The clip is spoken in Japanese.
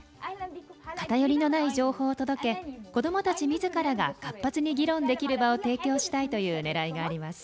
偏りのない情報を届け子どもたちみずからが活発に議論できる場を提供したいというねらいがあります。